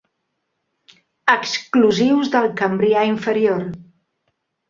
Exclusius del Cambrià inferior.